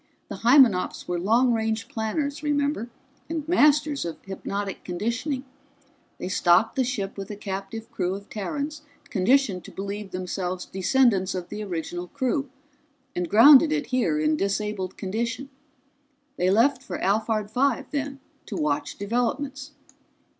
"The Hymenops were long range planners, remember, and masters of hypnotic conditioning. They stocked the ship with a captive crew of Terrans conditioned to believe themselves descendants of the original crew, and grounded it here in disabled condition. They left for Alphard Five then, to watch developments.